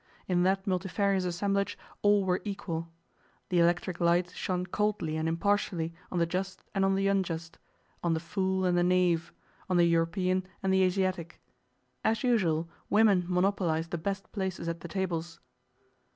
In that multifarious assemblage all were equal. The electric light shone coldly and impartially on the just and on the unjust, on the fool and the knave, on the European and the Asiatic. As usual, women monopolized the best places at the tables.